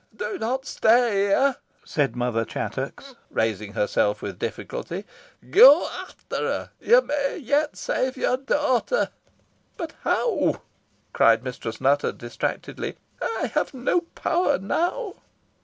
"Do not stay here," said Mother Chattox, raising herself with difficulty. "Go after her; you may yet save your daughter." "But how?" cried Mistress Nutter, distractedly. "I have no power now."